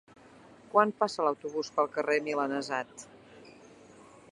Quan passa l'autobús pel carrer Milanesat?